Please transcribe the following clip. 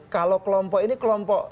kalau kelompok ini kelompok